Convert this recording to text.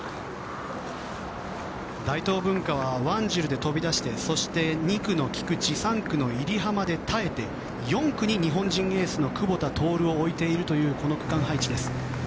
大東文化はワンジルで飛び出してそして、２区の菊地３区の入濱で耐えて４区に日本人エースの久保田徹を置いているという区間配置です。